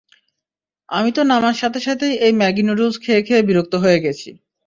আমি তো নামার সাথে সাথে এই ম্যাগি নুডলস খেয়ে খেয়ে বিরক্ত হয়ে গেছি!